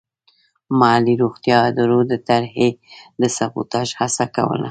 محلي روغتیايي ادارو د طرحې د سبوتاژ هڅه کوله.